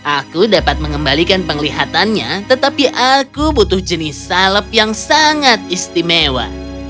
aku dapat mengembalikan penglihatannya tetapi aku butuh jenis salep yang sangat istimewa